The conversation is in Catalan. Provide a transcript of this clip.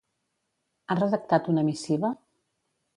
Ha redactat una missiva?